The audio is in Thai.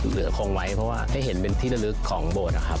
เหลือคงไว้เพราะว่าให้เห็นเป็นที่ละลึกของโบสถ์นะครับ